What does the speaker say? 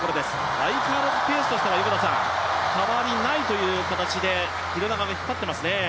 相変わらずペースとしては変わりないという形で、廣中を引っ張っていますね。